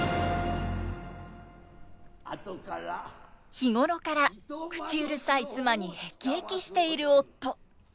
日頃から口うるさい妻に辟易している夫。